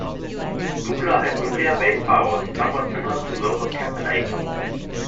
Nukla has nuclear-based powers, somewhat similar to those of Captain Atom.